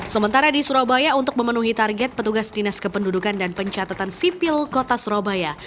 sementara di surabaya untuk memenuhi target petugas dinas kependudukan dan pencatatan sipil kota surabaya